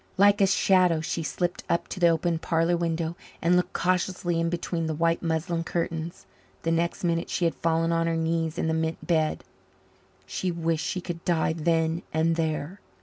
Like a shadow she slipped up to the open parlour window and looked cautiously in between the white muslin curtains. The next minute she had fallen on her knees in the mint bed. She wished she could die then and there.